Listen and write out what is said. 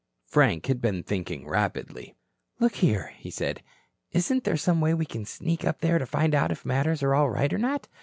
Frank had been thinking rapidly. "Look here," he said, "isn't there some way we can sneak up there to find out if matters are all right or not?